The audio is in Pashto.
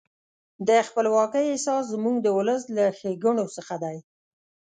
د خپلواکۍ احساس زموږ د ولس له ښېګڼو څخه دی.